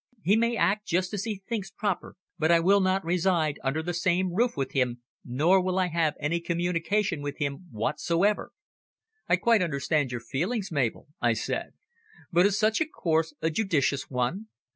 He may act just as he thinks proper, but I will not reside under the same roof with him, nor will I have any communication with him whatsoever." "I quite understand your feelings, Mabel," I said. "But is such a course a judicious one?